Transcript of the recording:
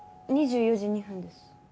２４時２分です。